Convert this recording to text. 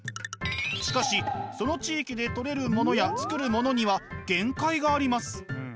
しかしその地域で取れるものや作るものには限界があります。